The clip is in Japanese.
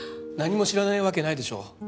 何も知らないわけないでしょう。